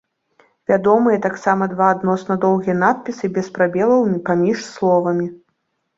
Вядомыя таксама два адносна доўгія надпісы без прабелаў паміж словамі.